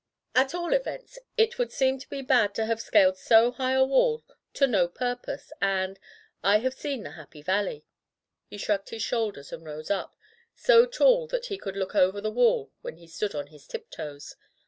At all events, it would seem too bad to have scaled so high a wall to no purpose and — I have seen the Happy Valley." He shrugged his shoulders and rose up — so tall that he could look over the wall when he stood on his tiptoes.